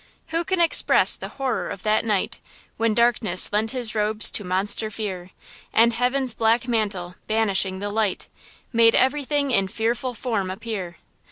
Who can express the horror of that night, When darkness lent his robes to monster fear? And heaven's black mantle, banishing the light, Made everything in fearful form appear.